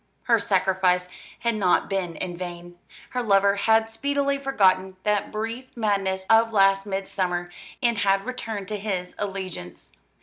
Her sacrifice had not been in vain. Her lover had speedily forgotten that brief madness of last midsummer, and had returned to his allegiance.